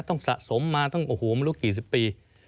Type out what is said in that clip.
สะสมมาตั้งโอ้โหไม่รู้กี่สิบปี